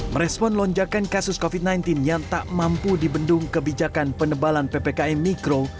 merespon lonjakan kasus covid sembilan belas yang tak mampu dibendung kebijakan penebalan ppkm mikro